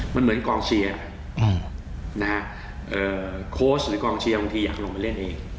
มันเหมือนกองเชียร์โค้ชหรือกองเชียร์บางทีอยากลงไปเล่นเอง